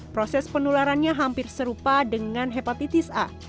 proses penularannya hampir serupa dengan hepatitis a